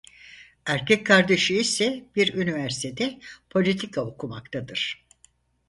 Erkek kardeşi ise bir üniversitede politika okumaktadır.